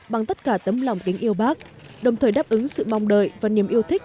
bằng tất cả tấm lòng tình yêu bác đồng thời đáp ứng sự mong đợi và niềm yêu thích